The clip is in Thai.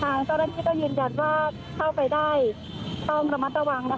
ทางเจ้าหน้าที่ตำรวจนะครับก็ยังคงฝากหลักอยู่ที่บริเวณแปดจิ้นแดงนะคะ